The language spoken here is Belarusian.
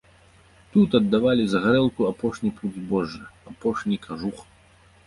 Тут аддавалі за гарэлку апошні пуд збожжа, апошні кажух.